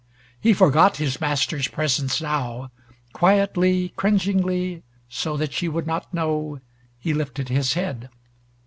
He forgot his master's presence now. Quietly, cringingly, so that she would not know, he lifted his head.